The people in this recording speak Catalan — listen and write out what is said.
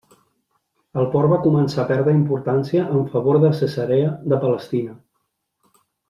El port va començar a perdre importància en favor de Cesarea de Palestina.